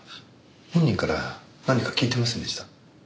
本人から何か聞いていませんでした？